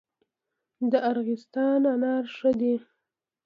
د ارغستان انار ښه دي